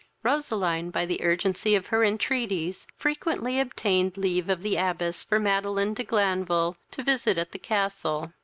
Roseline, by the urgency of her entreaties, frequently obtained leave of the abbess for Madeline de Glanville to visit at the castle.